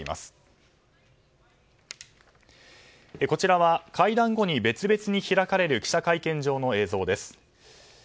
こちらは会談後に別々に開かれる記者会見場の映像です。